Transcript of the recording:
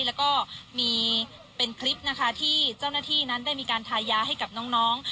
แล้วก็มีเป็นคลิปนะคะที่เจ้าหน้าที่นั้นได้มีการทายาให้กับน้อง